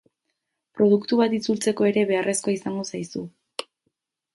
Produktu bat itzultzeko ere beharrezkoa izango zaizu.